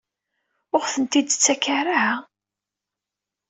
Ur aɣ-tent-id-tettak ara?